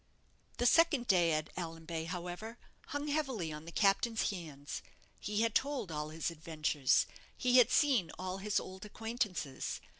The second day at Allanbay, however, hung heavily on the captain's hands. He had told all his adventures; he had seen all his old acquaintances.